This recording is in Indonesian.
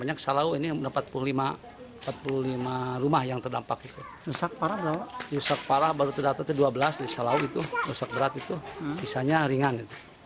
anak anak yang tertimpa tertimpa kerikil kerikil gitu